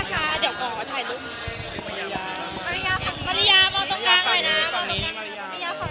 สูงมาก